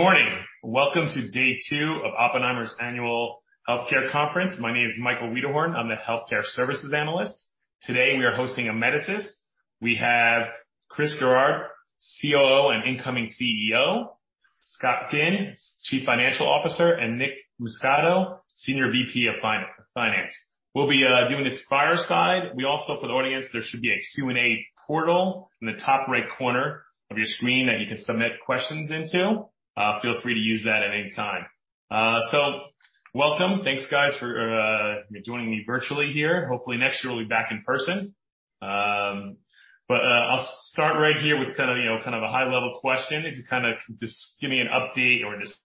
Good morning. Welcome to day two of Oppenheimer's Annual Healthcare Conference. My name is Michael Wiederhorn. I'm the healthcare services analyst. Today, we are hosting Amedisys. We have Chris Gerard, COO and incoming CEO, Scott Ginn, Chief Financial Officer, and Nick Muscato, Senior VP of Finance. We'll be doing this fireside. We also, for the audience, there should be a Q&A portal in the top right corner of your screen that you can submit questions into. Feel free to use that at any time. Welcome. Thanks, guys, for joining me virtually here. Hopefully next year we'll be back in person. I'll start right here with kind of a high level question. If you just give me an update or just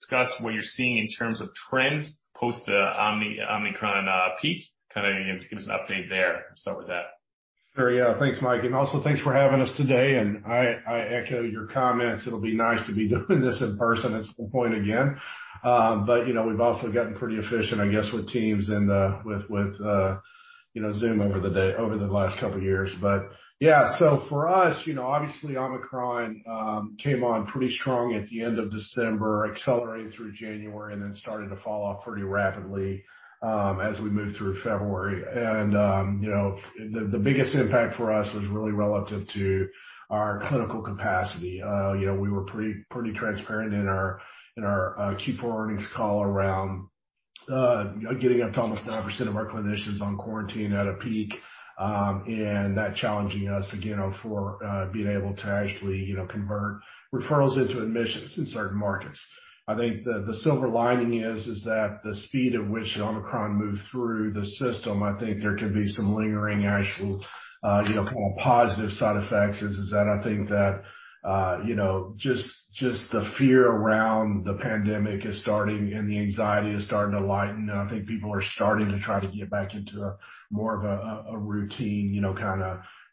discuss what you're seeing in terms of trends post the Omicron peak. Give us an update there. Start with that. Sure. Yeah. Thanks, Mike. Also thanks for having us today. I echo your comments. It'll be nice to be doing this in person at some point again. You know, we've also gotten pretty efficient, I guess, with Teams and with Zoom over the last couple of years. So for us, you know, obviously Omicron came on pretty strong at the end of December, accelerated through January, and then started to fall off pretty rapidly as we moved through February. The biggest impact for us was really relative to our clinical capacity. We were pretty transparent in our Q4 earnings call around getting up to almost 9% of our clinicians on quarantine at a peak. That's challenging us again on being able to actually convert referrals into admissions in certain markets. I think the silver lining is that the speed at which Omicron moved through the system. I think there could be some lingering actual more positive side effects is that I think that just the fear around the pandemic is starting and the anxiety is starting to lighten. I think people are starting to try to get back into more of a routine,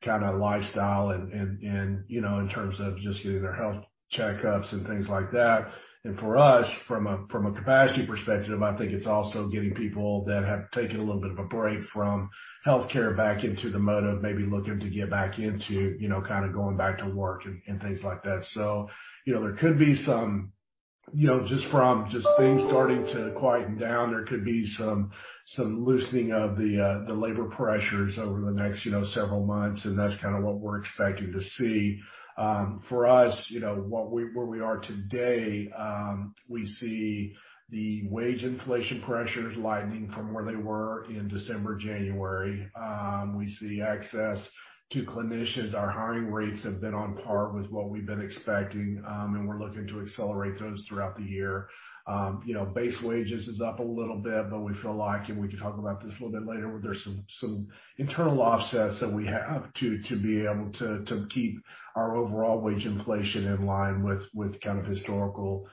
lifestyle and in terms of just getting their health checkups and things like that. From a capacity perspective, I think it's also getting people that have taken a little bit of a break from healthcare back into the mode of maybe looking to get back into going back to work and things like that. There could be some things starting to quieten down, there could be some loosening of the labor pressures over the next several months, and that's what we're expecting to see. For us, where we are today, we see the wage inflation pressures lightening from where they were in December, January. We see access to clinicians. Our hiring rates have been on par with what we've been expecting, and we're looking to accelerate those throughout the year. Base wages is up a little bit, but we feel like, and we can talk about this a little bit later, where there's some internal offsets that we have to be able to keep our overall wage inflation in line with historical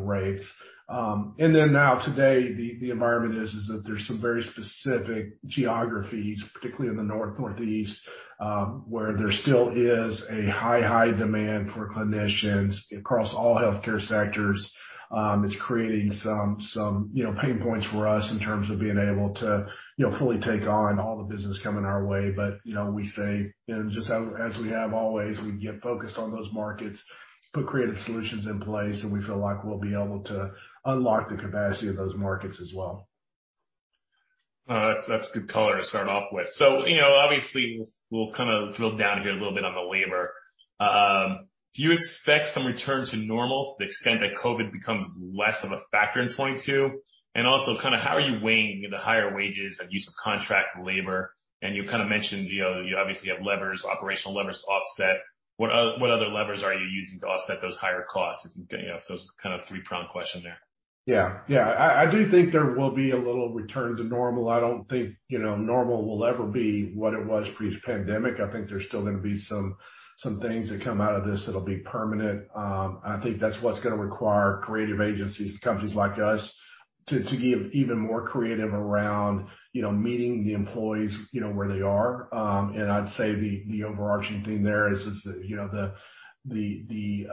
rates. Then now today the environment is that there's some very specific geographies, particularly in the north, northeast, where there still is a high demand for clinicians across all healthcare sectors. It's creating some, you know, pain points for us in terms of being able to fully take on all the business coming our way. you know, we say, just as we have always, we get focused on those markets, put creative solutions in place, and we feel like we'll be able to unlock the capacity of those markets as well. That's good color to start off with. You know, obviously we'll drill down here a little bit on the labor. Do you expect some return to normal to the extent that COVID becomes less of a factor in 2022? Also, how are you weighing the higher wages and use of contract labor? You mentioned, you obviously have levers, operational levers to offset. What other levers are you using to offset those higher costs? It's kind of three-pronged question there. Yeah. I do think there will be a little return to normal. I don't think normal will ever be what it was pre-pandemic. I think there's still gonna be some things that come out of this that'll be permanent. I think that's what's gonna require creative agencies, companies like us to give even more creative around, you know, meeting the employees, you know, where they are. I'd say the overarching thing there is the, the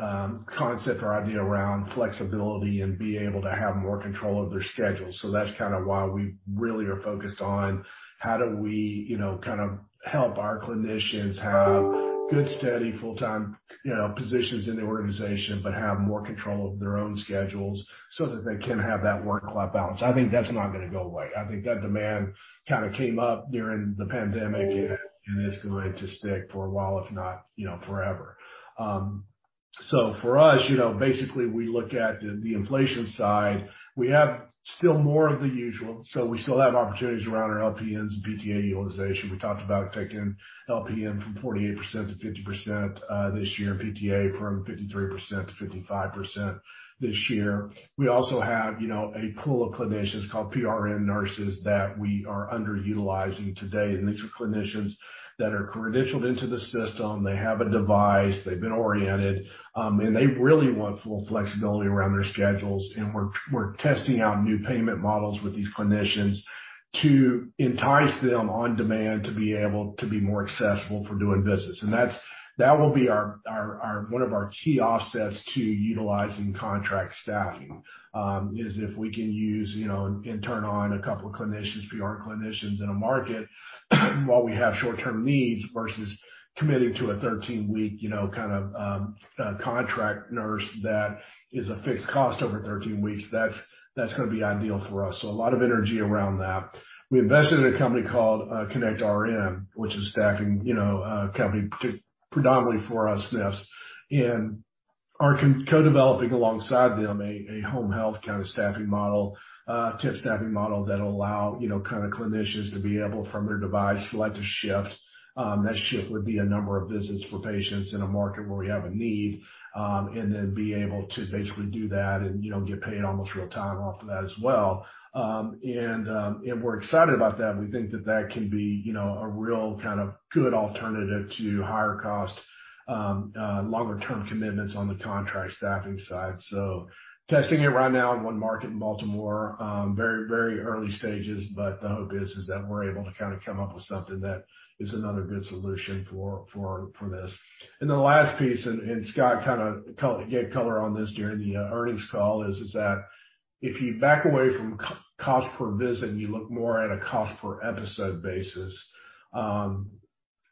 concept or idea around flexibility and being able to have more control of their schedules. That's why we really are focused on how do we kind of help our clinicians have good, steady, full-time, you know, positions in the organization, but have more control of their own schedules so that they can have that work-life balance. I think that's not gonna go away. I think that demand came up during the pandemic and is going to stick for a while, if not, forever. For us, basically, we look at the inflation side. We have still more of the usual. We still have opportunities around our LPNs and PTA utilization. We talked about taking LPN from 48% to 50 this year, and PTA from 53% to 55 this year. We also have, you know, a pool of clinicians called PRN nurses that we are underutilizing today. These are clinicians that are credentialed into the system. They have a device, they've been oriented, and they really want full flexibility around their schedules. We're testing out new payment models with these clinicians to entice them on demand to be able to be more accessible for doing business. That's one of our key offsets to utilizing contract staffing is if we can use, you know, and turn on a couple of clinicians, PRN clinicians in a market while we have short-term needs versus committing to a thirteen-week, you know, kind of contract nurse that is a fixed cost over thirteen weeks. That's gonna be ideal for us. A lot of energy around that. We invested in a company called connectRN, which is a staffing, you know, company predominantly for our SNFs. We are co-developing alongside them a home health kind of staffing model, temp staffing model that'll allow, you know, kind of clinicians to be able from their device select a shift. That shift would be a number of visits for patients in a market where we have a need, and then be able to basically do that and, you know, get paid almost real time off of that as well. And we're excited about that. We think that can be, you know, a real kind of good alternative to higher cost, longer term commitments on the contract staffing side. Testing it right now in one market in Baltimore, very early stages, but the hope is that we're able to kind of come up with something that is another good solution for this. Then the last piece, Scott gave color on this during the earnings call, is that if you back away from cost per visit, and you look more at a cost per episode basis,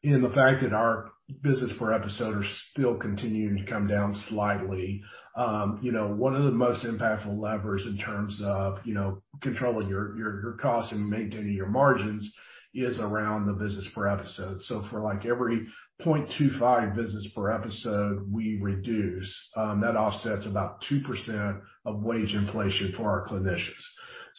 and the fact that our visits per episode are still continuing to come down slightly. You know, one of the most impactful levers in terms of you know, controlling your costs and maintaining your margins is around the visits per episode. For like every 0.25 visits per episode we reduce, that offsets about 2% of wage inflation for our clinicians.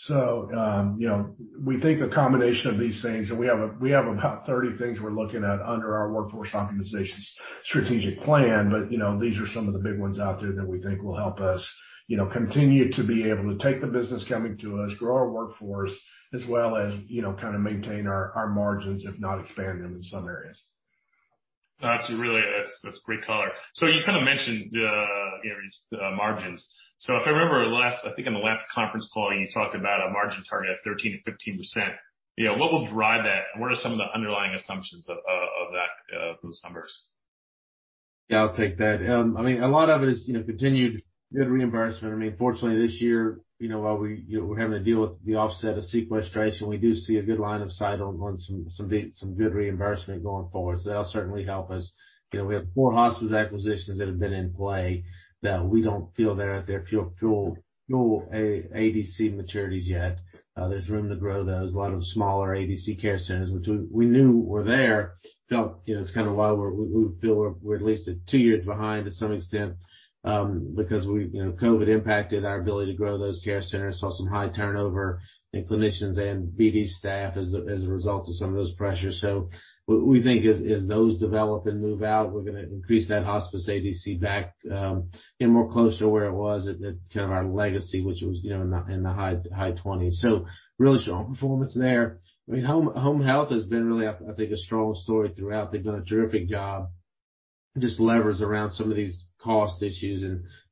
You know, we think a combination of these things, and we have about 30 things we're looking at under our workforce optimization strategic plan. You know, these are some of the big ones out there that we think will help us, you know, continue to be able to take the business coming to us, grow our workforce, as well as, you know, kind of maintain our margins, if not expand them in some areas. That's great color. You kind of mentioned, you know, just the margins. If I remember, I think in the last conference call, you talked about a margin target of 13%-15%. You know, what will drive that? What are some of the underlying assumptions of that, those numbers? Yeah, I'll take that. I mean, a lot of it is, you know, continued good reimbursement. I mean, fortunately, this year, you know, while we, you know, we're having to deal with the offset of sequestration, we do see a good line of sight on some good reimbursement going forward. That'll certainly help us. You know, we have four hospice acquisitions that have been in play that we don't feel they're at their full ADC maturities yet. There's room to grow those. A lot of them are smaller ADC care centers, which we knew were there. You know, it's kind of why we feel we're at least two years behind to some extent, because you know, COVID impacted our ability to grow those care centers. We saw some high turnover in clinicians and BD staff as a result of some of those pressures. We think as those develop and move out, we're gonna increase that hospice ADC back, you know, more closer to where it was at kind of our legacy, which was you know in the high 20s. Really strong performance there. I mean, home health has been really I think a strong story throughout. They've done a terrific job, just levers around some of these cost issues.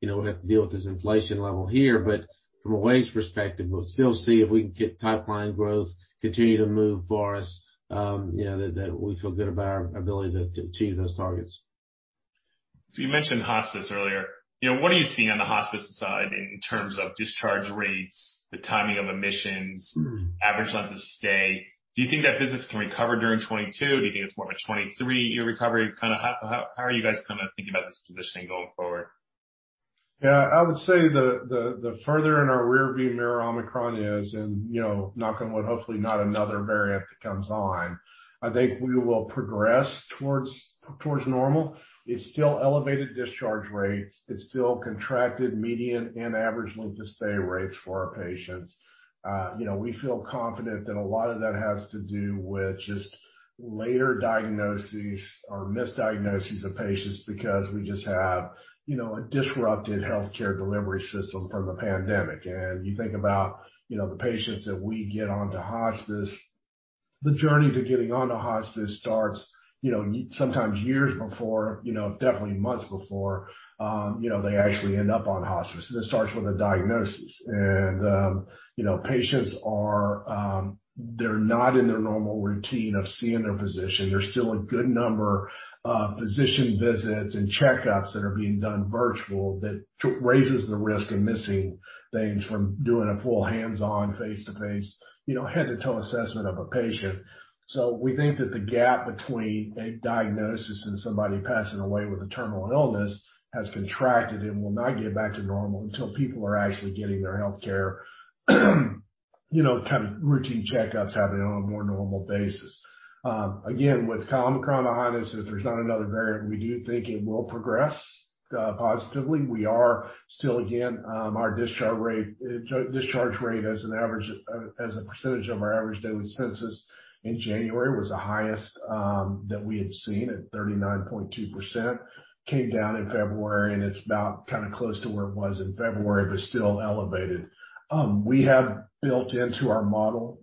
you know, we have to deal with this inflation level here, but from a wage perspective, we'll still see if we can get top line growth continue to move for us, you know, that we feel good about our ability to achieve those targets. You mentioned hospice earlier. You know, what are you seeing on the hospice side in terms of discharge rates, the timing of admissions, average length of stay? Do you think that business can recover during 2022? Do you think it's more of a 2023 year recovery? How are you guys thinking about this positioning going forward? Yeah, I would say the further in our rearview mirror Omicron is and, you know, knock on wood, hopefully not another variant that comes on, I think we will progress towards normal. It's still elevated discharge rates. It's still contracted median and average length of stay rates for our patients. You know, we feel confident that a lot of that has to do with just later diagnoses or misdiagnoses of patients because we just have, you know, a disrupted healthcare delivery system from the pandemic. You think about, you know, the patients that we get onto hospice, the journey to getting onto hospice starts, you know, sometimes years before, you know, definitely months before, you know, they actually end up on hospice. It starts with a diagnosis. Patients are, they're not in their normal routine of seeing their physician. There's still a good number of physician visits and checkups that are being done virtual that raises the risk of missing things from doing a full hands-on face-to-face, you know, head to toe assessment of a patient. We think that the gap between a diagnosis and somebody passing away with a terminal illness has contracted and will not get back to normal until people are actually getting their healthcare, you know, kind of routine checkups happening on a more normal basis. Again, with Omicron behind us, if there's not another variant, we do think it will progress positively. We are still, again, our discharge rate as a percentage of our average daily census in January was the highest that we had seen at 39.2%. It came down in February, and it's about kind of close to where it was in February, but still elevated. We have built into our model,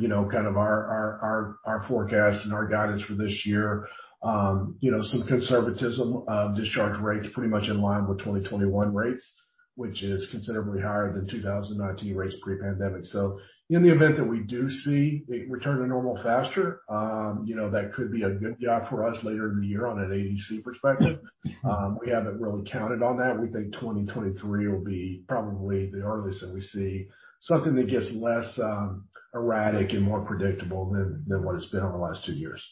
you know, kind of our forecast and our guidance for this year, you know, some conservatism of discharge rates pretty much in line with 2021 rates, which is considerably higher than 2019 rates pre-pandemic. In the event that we do see a return to normal faster, you know, that could be a tailwind for us later in the year on an ADC perspective. We haven't really counted on that. We think 2023 will be probably the earliest that we see something that gets less, erratic and more predictable than what it's been over the last two years.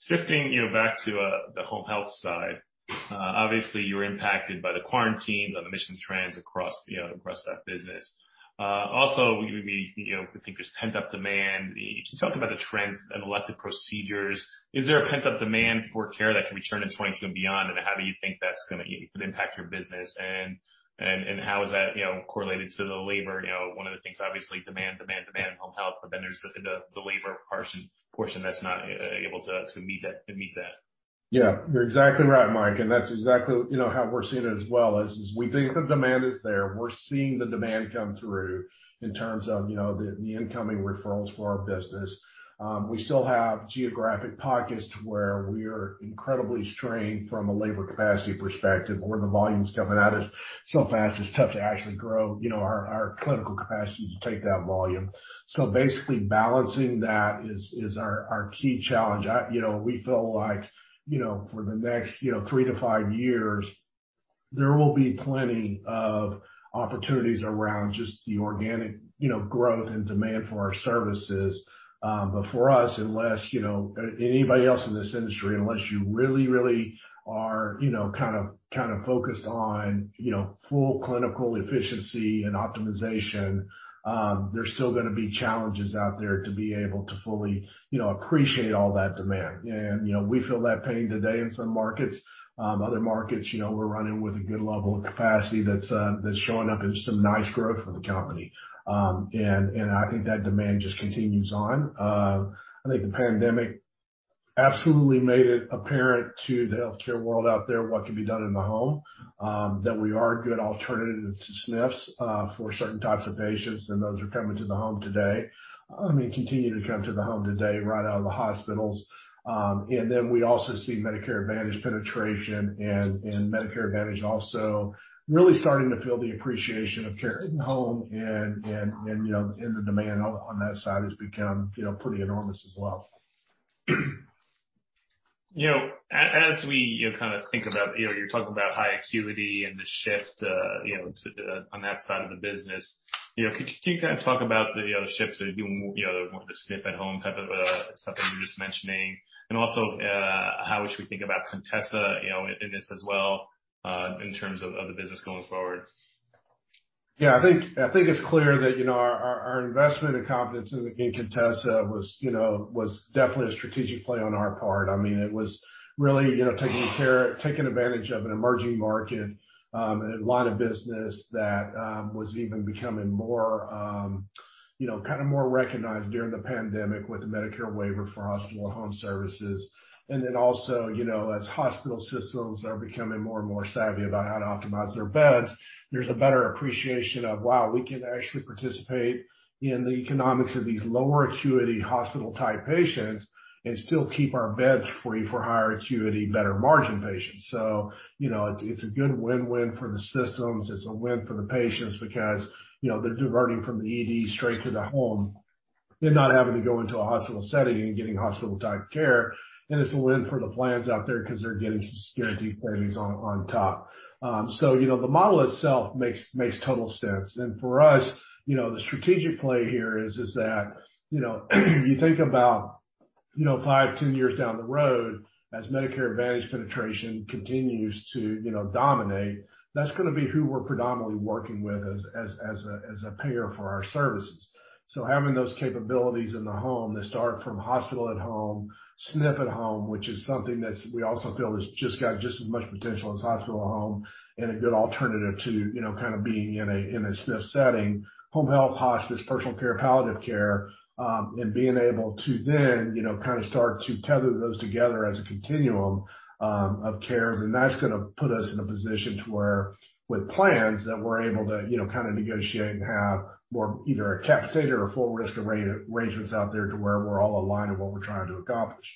Shifting, you know, back to the home health side. Obviously, you were impacted by the quarantines and admission trends across, you know, across that business. Also we, you know, we think there's pent-up demand. You talked about the trends in elective procedures. Is there a pent-up demand for care that can return in 2022 and beyond? How do you think that's gonna impact your business and how is that, you know, correlated to the labor? You know, one of the things obviously, demand in home health, but then there's the labor portion that's not able to meet that. Yeah. You're exactly right, Mike, and that's exactly, you know, how we're seeing it as well, is we think the demand is there. We're seeing the demand come through in terms of, you know, the incoming referrals for our business. We still have geographic pockets where we're incredibly strained from a labor capacity perspective, where the volume's coming at us so fast, it's tough to actually grow, you know, our clinical capacity to take that volume. Basically, balancing that is our key challenge. You know, we feel like, you know, for the next, you know, 3 years-5 years, there will be plenty of opportunities around just the organic, you know, growth and demand for our services. For us, unless you know anybody else in this industry, unless you really are, you know, kind of focused on, you know, full clinical efficiency and optimization, there's still gonna be challenges out there to be able to fully, you know, appreciate all that demand. You know, we feel that pain today in some markets. Other markets, you know, we're running with a good level of capacity that's showing up in some nice growth for the company. I think that demand just continues on. I think the pandemic absolutely made it apparent to the healthcare world out there what can be done in the home that we are a good alternative to SNFs for certain types of patients, and those are coming to the home today. I mean, continue to come to the home today, right out of the hospitals. We also see Medicare Advantage penetration and Medicare Advantage also really starting to feel the appreciation of care in home and, you know, and the demand on that side has become, you know, pretty enormous as well. You know, as we, you know, kind of think about, you know, you're talking about high acuity and the shift, you know, to on that side of the business. You know, could you kind of talk about the, you know, the shifts that you wanna move, you know, the SNF at home type of stuff that you were just mentioning? Also, how we should think about Contessa, you know, in this as well, in terms of of the business going forward. Yeah. I think it's clear that, you know, our investment and confidence in Contessa was, you know, definitely a strategic play on our part. I mean, it was really, you know, taking advantage of an emerging market, and a line of business that was even becoming more, you know, kind of more recognized during the pandemic with the Medicare waiver for hospital at home services. Also, you know, as hospital systems are becoming more and more savvy about how to optimize their beds, there's a better appreciation of, wow, we can actually participate in the economics of these lower acuity hospital-type patients and still keep our beds free for higher acuity, better margin patients. You know, it's a good win-win for the systems. It's a win for the patients because, you know, they're diverting from the ED straight to the home. They're not having to go into a hospital setting and getting hospital-type care. It's a win for the plans out there because they're getting some guaranteed savings on top. You know, the model itself makes total sense. For us, you know, the strategic play here is that, you know, you think about, you know, five, 10 years down the road as Medicare Advantage penetration continues to, you know, dominate, that's gonna be who we're predominantly working with as a payer for our services. Having those capabilities in the home that start from hospital at home, SNF at home, which is something that we also feel has just got as much potential as hospital at home and a good alternative to, you know, kind of being in a SNF setting. Home health, hospice, personal care, palliative care, and being able to then start to tether those together as a continuum of care. That's gonna put us in a position to where with plans that we're able to, you know, kind of negotiate and have more either a capitated or a full risk arrangements out there to where we're all aligned in what we're trying to accomplish.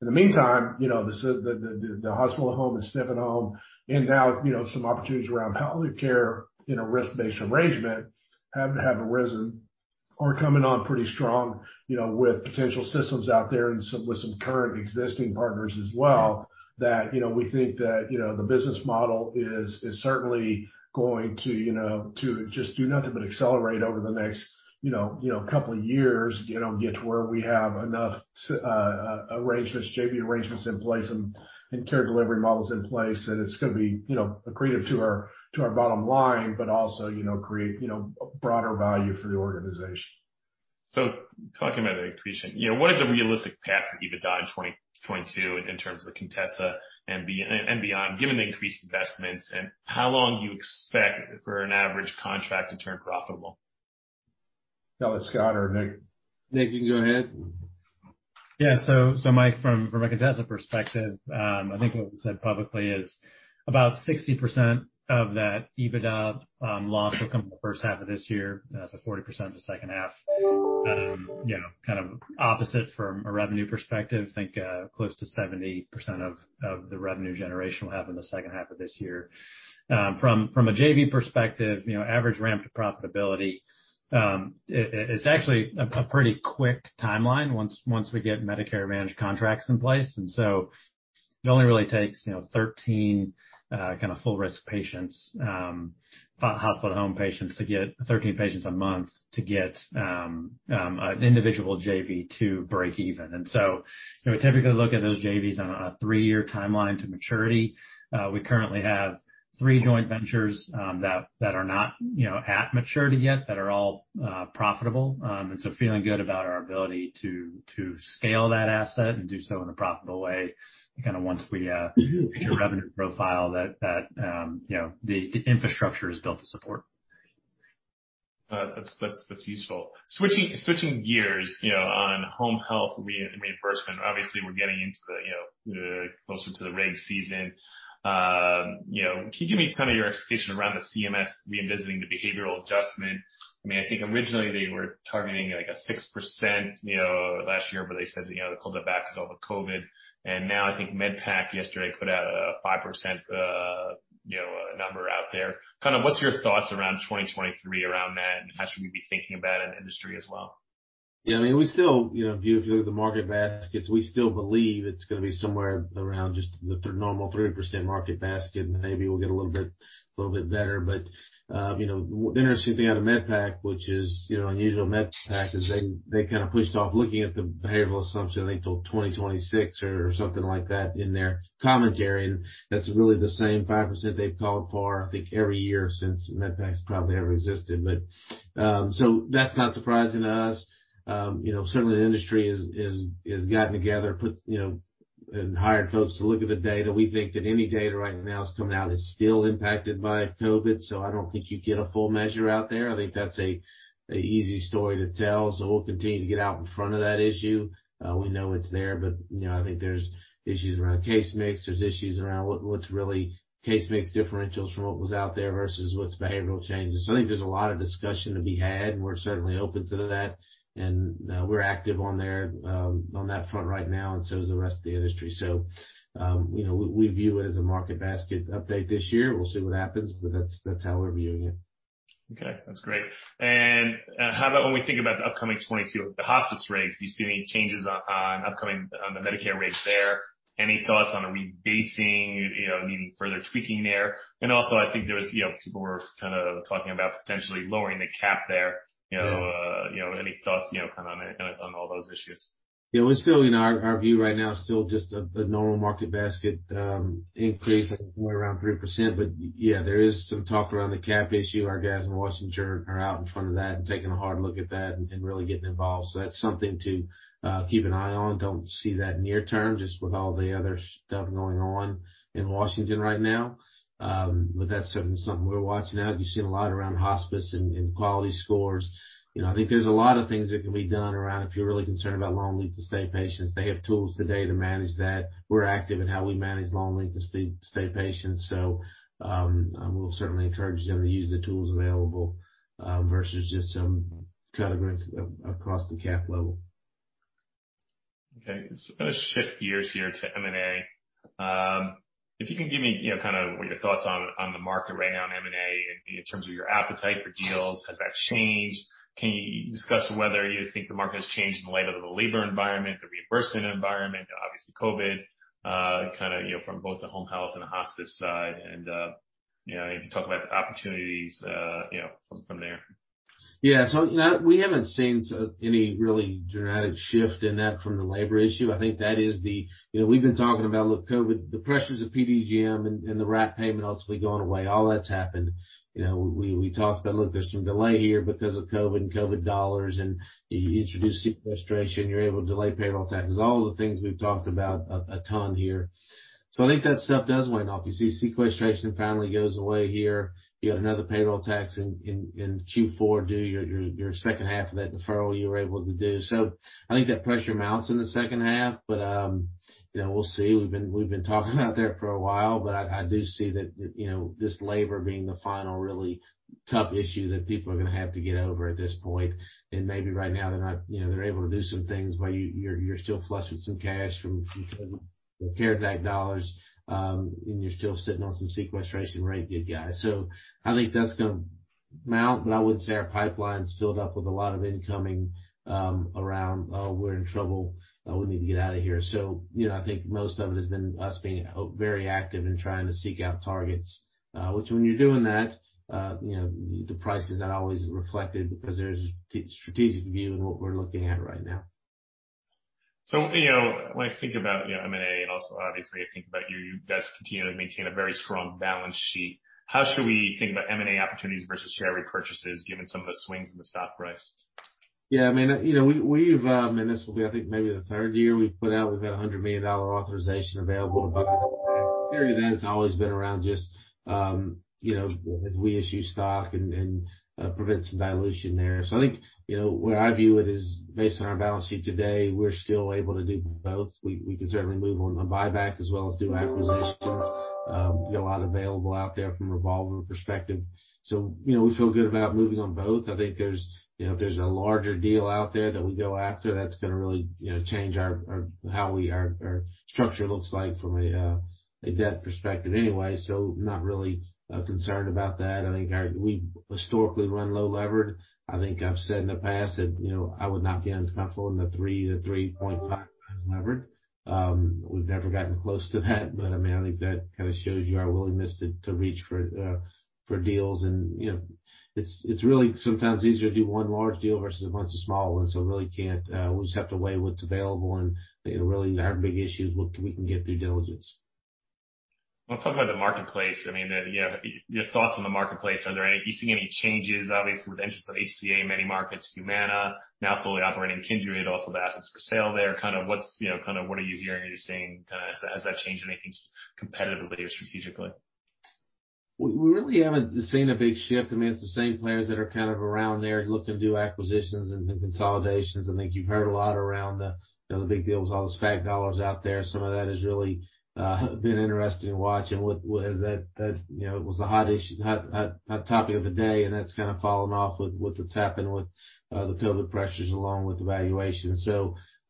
In the meantime, you know, the hospital at home, the SNF at home, and now, some opportunities around palliative care in a risk-based arrangement have arisen or are coming on pretty strong, you know, with potential systems out there and with some current existing partners as well, that, you know, we think that, you know, the business model is certainly going to, you know, to just do nothing but accelerate over the next couple of years, you know, get to where we have enough arrangements, JV arrangements in place and care delivery models in place that it's gonna be accretive to our bottom line, but also, you know, create broader value for the organization. Talking about accretion. You know, what is a realistic path for EBITDA in 2022 in terms of Contessa and beyond, given the increased investments? And how long do you expect for an average contract to turn profitable? Tell us, Scott or Nick. Nick, you can go ahead. Mike, from a Contessa perspective, I think what we said publicly is about 60% of that EBITDA loss will come in the first half of this year. 40% in the second half. You know, kind of opposite from a revenue perspective. I think close to 70% of the revenue generation will happen in the second half of this year. From a JV perspective, you know, average ramp to profitability, it's actually a pretty quick timeline once we get Medicare Advantage contracts in place. It only really takes, you know, 13 kind of full-risk patients, hospital-at-home patients to get 13 patients a month to get an individual JV to break even. You know, we typically look at those JVs on a three-year timeline to maturity. We currently have three joint ventures that are not at maturity yet that are all profitable. Feeling good about our ability to scale that asset and do so in a profitable way, kind of once we hit your revenue profile that the infrastructure is built to support. That's useful. Switching gears, you know, on home health reimbursement. Obviously we're getting closer to the rate season. You know, can you give me kind of your expectation around the CMS revisiting the behavioral adjustment? I mean, I think originally they were targeting, like, a 6% last year, but they said, you know, they pulled it back because all the COVID. Now I think MedPAC yesterday put out a 5% number out there. Kind of what's your thoughts around 2023 around that, and how should we be thinking about it in the industry as well? I mean, we still, you know, view through the market baskets. We still believe it's gonna be somewhere around just the normal 3% market basket, and maybe we'll get a little bit better. You know, the interesting thing out of MedPAC, which is, you know, unusual MedPAC, is they kinda pushed off looking at the behavioral adjustment, I think, till 2026 or something like that in their commentary. That's really the same 5% they've called for, I think, every year since MedPAC's probably ever existed. That's not surprising to us. Certainly the industry has gotten together put, and hired folks to look at the data. We think that any data right now that's coming out is still impacted by COVID, so I don't think you get a full measure out there. I think that's an easy story to tell. We'll continue to get out in front of that issue. We know it's there but, you know, I think there's issues around case mix, there's issues around what's really case mix differentials from what was out there versus what's behavioral changes. I think there's a lot of discussion to be had, and we're certainly open to that. We're active on that, on that front right now and so is the rest of the industry. You know, we view it as a market basket update this year. We'll see what happens, but that's how we're viewing it. Okay. That's great. How about when we think about the upcoming 2022, the hospice rates? Do you see any changes on upcoming Medicare rates there? Any thoughts on rebasing, you know, needing further tweaking there? Also, I think there was, you know, people were talking about potentially lowering the cap there. Any thoughts on all those issues? Yeah. We're still, you know, our view right now is still just the normal market basket increase at somewhere around 3%. Yeah, there is some talk around the cap issue. Our guys in Washington are out in front of that and taking a hard look at that and really getting involved. So that's something to keep an eye on. Don't see that near term, just with all the other stuff going on in Washington right now. But that's certainly something we're watching out. You've seen a lot around hospice and quality scores. You know, I think there's a lot of things that can be done around if you're really concerned about long length-of-stay patients. They have tools today to manage that. We're active in how we manage long length-of-stay patients. We'll certainly encourage them to use the tools available, versus just some cut across the cap level. Okay. Let's shift gears here to M&A. If you can give me, you know, kind of what your thoughts on the market right now in M&A in terms of your appetite for deals. Has that changed? Can you discuss whether you think the market has changed in light of the labor environment, the reimbursement environment, obviously COVID, from both the home health and the hospice side? You know, if you talk about the opportunities from there. Yeah. We haven't seen any really dramatic shift in that from the labor issue. I think that is the. You know, we've been talking about with COVID, the pressures of PDGM and the RAP payment ultimately going away. All that's happened. You know, we talked about, look, there's some delay here because of COVID and COVID dollars, and you introduce sequestration, you're able to delay payroll taxes, all of the things we've talked about a ton here. I think that stuff does wane off. You see sequestration finally goes away here. You got another payroll tax in Q4 due, your second half of that deferral you were able to do. I think that pressure mounts in the second half. You know, we'll see. We've been talking about that for a while, but I do see that, you know, this labor being the final really tough issue that people are gonna have to get over at this point. Maybe right now they're not, you know, they're able to do some things, but you're still flushing some cash from the CARES Act dollars, and you're still sitting on some sequestration rate goodies. I think that's gonna mount, but I wouldn't say our pipeline's filled up with a lot of incoming around, "Oh, we're in trouble. We need to get out of here." You know, I think most of it has been us being very active in trying to seek out targets. which when you're doing that, the price is not always reflected because there's the strategic view in what we're looking at right now. You know, when I think about M&A and also obviously I think about you guys continually maintain a very strong balance sheet. How should we think about M&A opportunities versus share repurchases given some of the swings in the stock price? Yeah. I mean, We've, I mean, this will be, I think, maybe the third year we've put out. We've got $100 million authorization available. Clearly that's always been around just, you know, as we issue stock and prevent some dilution there. I think, you know, where I view it is based on our balance sheet today, we're still able to do both. We can certainly move on the buyback as well as do acquisitions. We got a lot available out there from a revolving perspective. We feel good about moving on both. I think there's if there's a larger deal out there that we go after, that's gonna really, you know, change how our structure looks like from a debt perspective anyway, so not really concerned about that. I think we historically run low levered. I think I've said in the past that, you know, I would not be uncomfortable at 3x-3.5x levered. We've never gotten close to that, but I mean, I think that kinda shows you our willingness to reach for deals and, you know. It's really sometimes easier to do one large deal versus a bunch of small ones. We really just have to weigh what's available, and really not big issues, we can get due diligence. Well, talk about the marketplace. I mean, yeah, your thoughts on the marketplace. Are you seeing any changes, obviously, with the entrance of HCA in many markets, Humana now fully operating Kindred, also the assets for sale there. What's kind of what are you hearing? Are you seeing kinda has that changed anything competitively or strategically? We really haven't seen a big shift. I mean, it's the same players that are kind of around there looking to do acquisitions and consolidations. I think you've heard a lot around the you know the big deal with all the SPAC dollars out there. Some of that has really been interesting to watch. What is that you know it was the hot topic of the day, and that's fallen off with what's happened with the feel of pressures along with the valuation.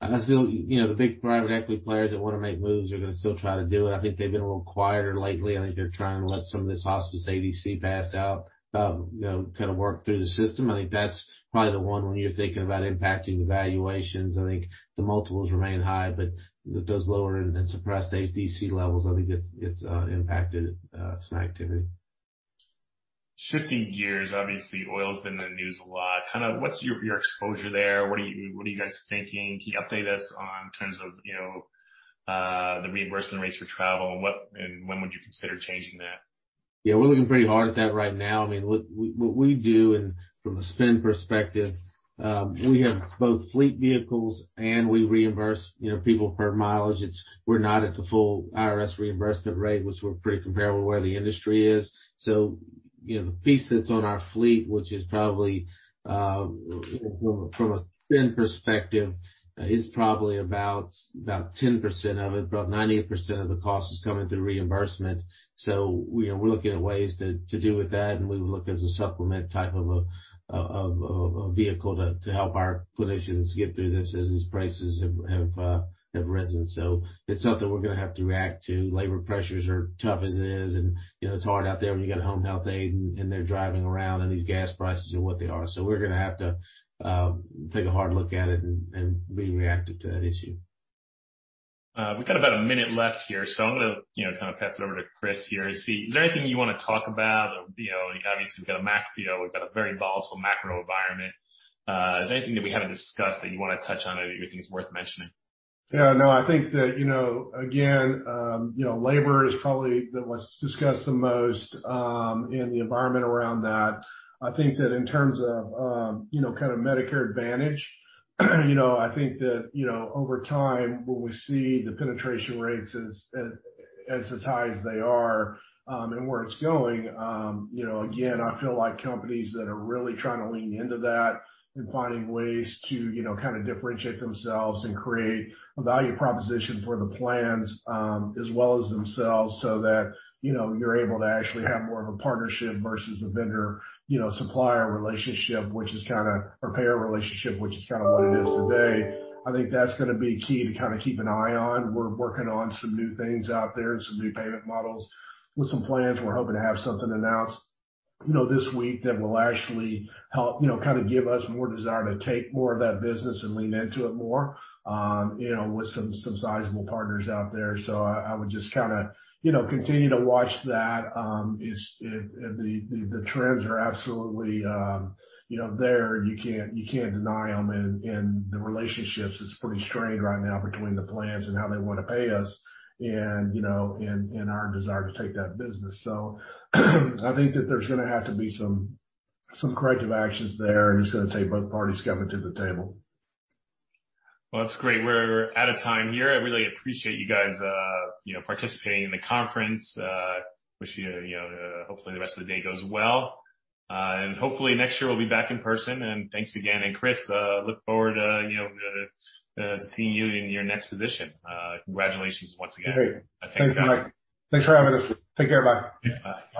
I feel you know the big private equity players that wanna make moves are gonna still try to do it. I think they've been a little quieter lately. I think they're trying to let some of this hospice ADC play out work through the system. I think that's probably the one when you're thinking about impacting the valuations. I think the multiples remain high, but with those lower and suppressed ADC levels, I think it's impacted some activity. Shifting gears, obviously, oil's been in the news a lot. What's your exposure there? What are you guys thinking? Can you update us in terms of, you know, the reimbursement rates for travel and what and when would you consider changing that? Yeah, we're looking pretty hard at that right now. I mean, what we do and from a spend perspective, we have both fleet vehicles, and we reimburse, you know, people per mileage. We're not at the full IRS reimbursement rate, which we're pretty comparable where the industry is. The piece that's on our fleet, which is probably, from a spend perspective, is probably about 10% of it. About 90% of the cost is coming through reimbursement. We are looking at ways to deal with that, and we would look as a supplement type of a vehicle to help our clinicians get through this as these prices have risen. It's something we're gonna have to react to. Labor pressures are tough as it is, and it's hard out there when you got a home health aide and they're driving around, and these gas prices are what they are. We're gonna have to take a hard look at it and be reactive to that issue. We've got about a minute left here, so I'm gonna pass it over to Chris here to see. Is there anything you wanna talk about? Or, you know, obviously, we've got a macro. We've got a very volatile macro environment. Is there anything that we haven't discussed that you wanna touch on or that you think is worth mentioning? Yeah, no. I think that, you know, again, you know, labor is probably what's discussed the most, and the environment around that. I think that in terms of, you know, kind of Medicare Advantage, you know, I think that, you know, over time, when we see the penetration rates as high as they are, and where it's going, you know, again, I feel like companies that are really trying to lean into that and finding ways to differentiate themselves and create a value proposition for the plans, as well as themselves so that, you know, you're able to actually have more of a partnership versus a vendor, you know, supplier relationship, which is a payer relationship, which is what it is today. I think that's gonna be key to keep an eye on. We're working on some new things out there and some new payment models with some plans. We're hoping to have something announced this week that will actually help give us more desire to take more of that business and lean into it more with some sizable partners out there. I would just continue to watch that. The trends are absolutely there. You can't deny them. And the relationships is pretty strained right now between the plans and how they wanna pay us and our desire to take that business. I think that there's gonna have to be some corrective actions there, and it's gonna take both parties coming to the table. Well, that's great. We're out of time here. I really appreciate you guys participating in the conference. I wish you know, hopefully the rest of the day goes well. Hopefully next year we'll be back in person, and thanks again. Chris, I look forward to, you know, seeing you in your next position. Congratulations once again. Great. Thanks, guys. Thanks for having us. Take care. Bye. Yeah. Bye.